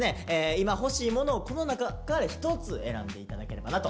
今欲しいものをこの中から１つ選んで頂ければなと。